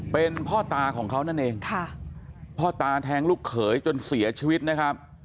เป็นพ่อตาของเขานั่นเองค่ะพ่อตาแทงลูกเขยจนเสียชีวิตนะครับ